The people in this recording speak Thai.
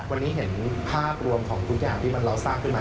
วันนี้เห็นภาพรวมของทุกอย่างที่เราสร้างขึ้นมา